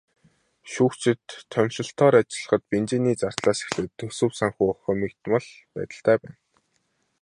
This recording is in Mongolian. Шүүгчид томилолтоор ажиллахад бензиний зардлаас эхлээд төсөв санхүү хумигдмал байдалтай байна.